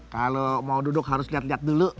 kalau mau duduk harus liat liat dulu